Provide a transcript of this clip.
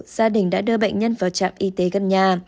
gia đình đã đưa bệnh nhân vào trạm y tế gần nhà